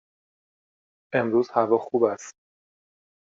امروز هوا خوب است.